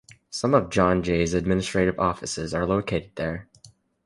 Some of John Jay's administrative offices are located there.